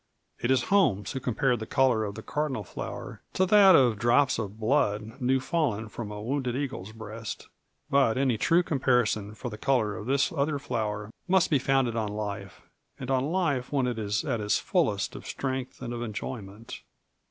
It is Holmes who compares the color of the cardinal flower to that of drops of blood new fallen from a wounded eagle's breast; but any true comparison for the color of this other flower must be founded on life, and on life when it is at its fullest of strength and of enjoyment.